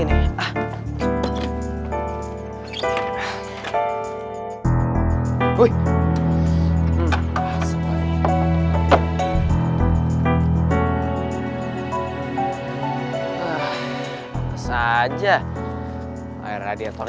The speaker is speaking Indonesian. lepas ayo keluar ayo keluar